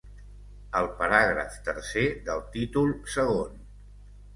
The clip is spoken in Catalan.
El paràgraf tercer del títol segon.